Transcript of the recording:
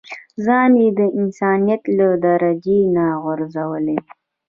ځان يې د انسانيت له درجې نه غورځولی.